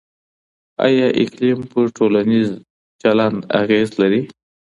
آيا اقليم پر ټولنيز چلند اغېز لري؟